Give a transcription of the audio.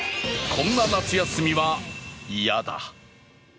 こんな夏休みは、嫌だ。